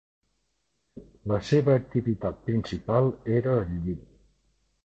La seva activitat principal era el lli.